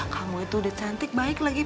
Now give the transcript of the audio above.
kamu itu udah cantik baik lagi